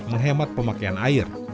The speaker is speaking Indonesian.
menghemat pemakaian air